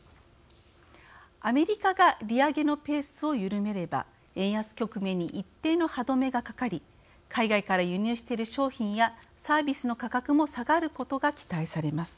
アメリカが利上げのペースを緩めれば円安局面に一定の歯止めがかかり海外から輸入している商品やサービスの価格も下がることが期待されます。